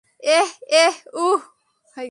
এহ, এহ, উহ।